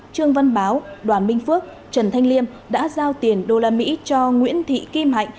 trương văn báo đoàn minh phước trần thanh liêm đã giao tiền đô la mỹ cho nguyễn thị kim hạnh